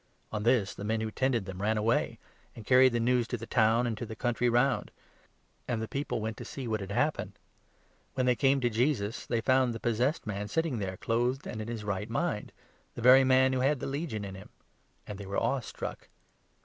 On this the men who tended them ran away, 14 and carried the news to the town, and to the country round ; and the people went to see what had happened. When they 15 came to Jesus, they found the possessed man sitting there, clothed and in his right mind — the very man who had had the ' Legion ' in him ^and they were awe struck.